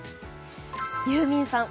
ユーミンさん